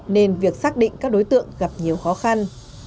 nên việc xác định các đối tượng gặp nhiều khó khăn